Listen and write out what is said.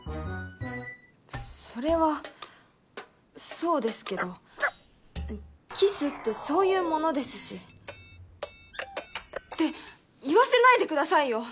それはそうですけどキスってそういうものですしって言わせないでくださいよ